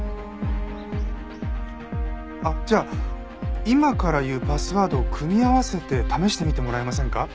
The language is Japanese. あっじゃあ今から言うパスワードを組み合わせて試してみてもらえませんか？